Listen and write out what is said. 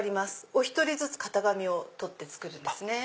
お１人ずつ型紙を取って作るんです。